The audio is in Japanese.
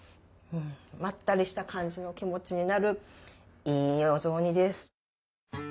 まったりした感じの気持ちになるいいお雑煮です。